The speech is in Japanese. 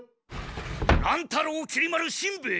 乱太郎きり丸しんべヱ！